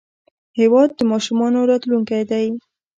هېواد د ماشومانو راتلونکی دی.